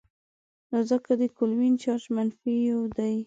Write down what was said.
نو ځکه د کلوین چارج منفي یو دی.